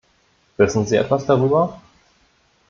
Wissen Sie etwas darüber?